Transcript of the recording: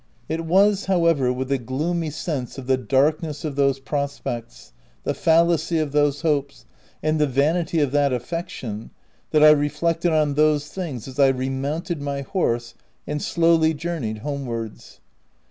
It was, however, with a gloomy sense of the darkness of those pros pects, the fallacy of those hopes, and the vanity of that affection, that I reflected on those things as I remounted my horse and slowly journeyed homewards.